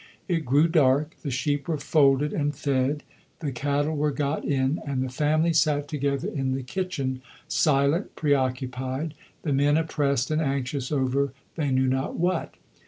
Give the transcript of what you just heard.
It grew dark, the sheep were folded and fed, the cattle were got in, and the family sat together in the kitchen, silent, preoccupied, the men oppressed and anxious over they knew not what.